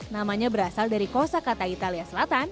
namanya berasal dari kosa kata italia selatan